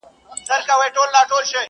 له یوه اړخه پر بل را اوښتله -